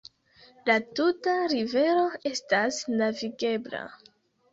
La tuta rivero estas navigebla.